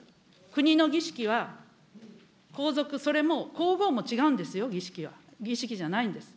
国の儀式は皇族、それも皇后も違うんですよ、儀式は、儀式じゃないんです。